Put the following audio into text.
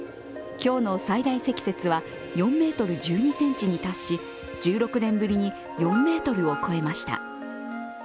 今日の最大積雪は４ｍ１２ｃｍに達し１６年ぶりに４ｍを超えました。